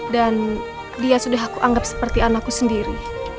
dan dia sudah aku anggap seperti anakku sendiri